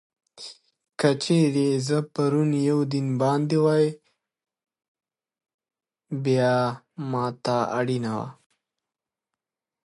که چېرې زه پر یوه دین باندې وای، بیا ما ته اړینه وه.